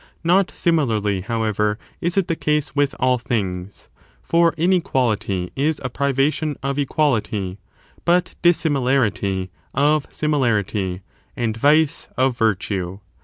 Not similarly, however, is it the case with all things; for inequality is a privation of equality, but dissimilarity of similarity, and vice of virtue.